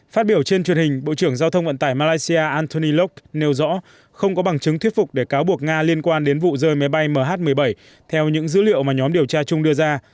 phát biểu trên truyền hình bộ trưởng giao thông vận tải malaysia antoniok nêu rõ không có bằng chứng thuyết phục để cáo buộc nga liên quan đến vụ rơi máy bay mh một mươi bảy theo những dữ liệu mà nhóm điều tra chung đưa ra